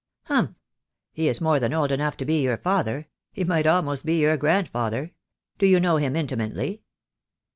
"Humph! He is more than old enough to be your father. He might almost be your grandfather. Do you know him intimately?"